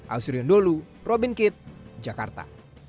ausriun dulu robin kit jakarta